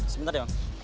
sebentar ya bang